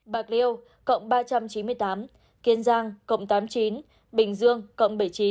bạc liêu cộng ba trăm chín mươi tám kiên giang cộng tám mươi chín bình dương cộng bảy mươi chín